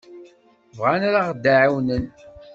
Bɣan ad aɣ-ɛawnen.